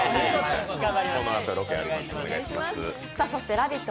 「ラヴィット！」